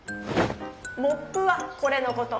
「モップ」はこれのこと。